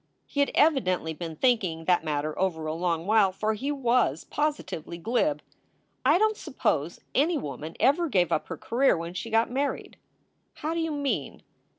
He had evidently been thinking that matter over a long while, for he was positively glib: "I don t suppose any woman ever gave up her career when she got married." "How do you mean?"